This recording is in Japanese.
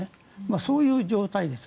そういう状態です。